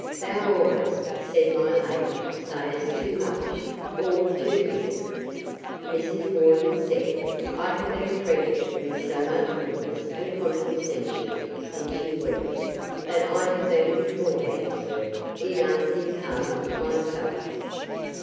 Thou always, said my lady, sayest too much, or too little. Mrs. Worden said, I have been treated with so much goodness and condescension since you went, that I have been beforehand, sir, in asking pardon myself.